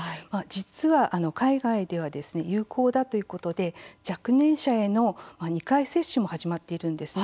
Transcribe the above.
実は海外では有効だということで若年者への２回接種も始まっているんです。